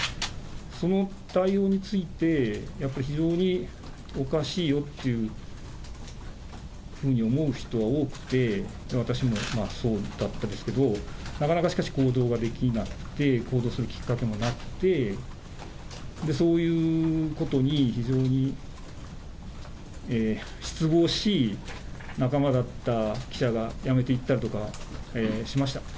その対応について、やっぱり非常におかしいよっていうふうに思う人が多くて、私もそうだったんですけど、なかなかしかし、行動ができなくて、行動するきっかけもなくて、そういうことに、非常に失望し、仲間だった記者が辞めていったとかしました。